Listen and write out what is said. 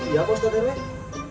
ya pak staterwek